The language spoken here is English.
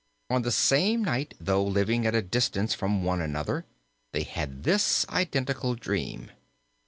On the same night, though living at a distance from one another, they had this identical dream.